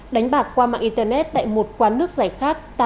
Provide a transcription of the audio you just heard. đánh bạc qua mạng internet tại một quán nước giải khát